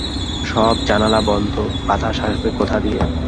সব জানালা বন্ধ, বাতাস আসবে কোথা দিয়ে?